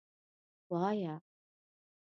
_وايه.